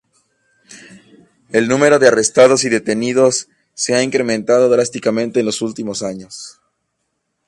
El número de arrestos y detenciones se ha incrementado drásticamente en los últimos años.